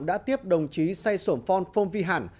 đã tiếp đồng chí say sổm phon phong vi hản